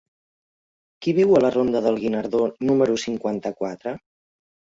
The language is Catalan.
Qui viu a la ronda del Guinardó número cinquanta-quatre?